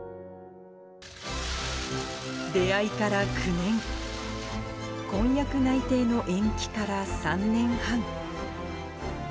出会いから９年、婚約内定の延期から３年半。